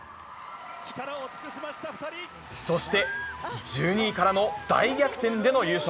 そして、１２位からの大逆転での優勝。